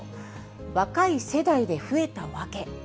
若い世代で増えた訳。